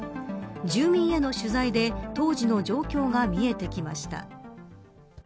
住民への取材で当時の状況が見えてきました。